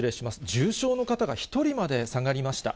重症の方が１人まで下がりました。